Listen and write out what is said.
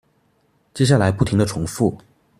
接下來不停的重複